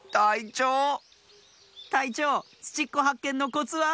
たいちょうツチッコはっけんのコツは？